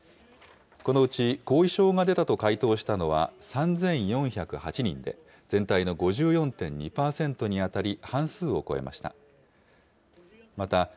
このうち後遺症が出たと回答したのは３４０８人で、全体の５４．２％に当たり、半数を超えました。